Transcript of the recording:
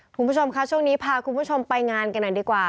คุณผู้ชมค่ะช่วงนี้พาคุณผู้ชมไปงานกันหน่อยดีกว่า